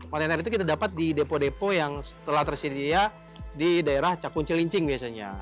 kontainer itu kita dapat di depo depo yang telah tersedia di daerah cakung celincing biasanya